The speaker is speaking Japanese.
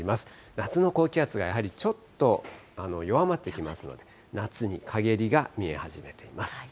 夏の高気圧がやはりちょっと弱まってきますので、夏にかげりが見え始めています。